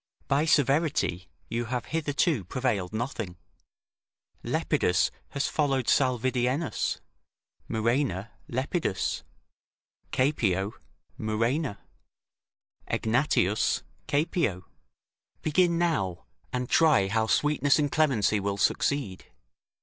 By severity you have hitherto prevailed nothing; Lepidus has followed Salvidienus; Murena, Lepidus; Caepio, Murena; Egnatius, Caepio. Begin now, and try how sweetness and clemency will succeed.